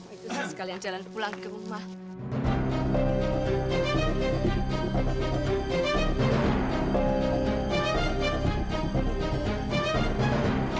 itu saya sekalian jalan pulang ke rumah